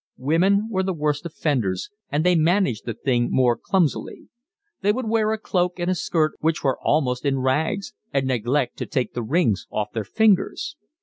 Women were the worst offenders and they managed the thing more clumsily. They would wear a cloak and a skirt which were almost in rags, and neglect to take the rings off their fingers.